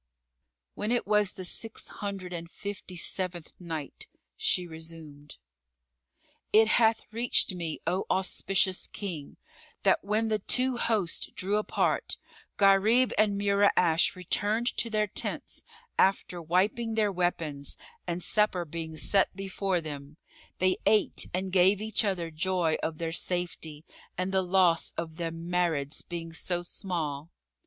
When it was the Six Hundred and Fifty seventh Night, She resumed, It hath reached me, O auspicious King, that when the two hosts drew apart, Gharib and Mura'ash returned to their tents, after wiping their weapons, and supper being set before them, they ate and gave each other joy of their safety, and the loss of their Marids being so small.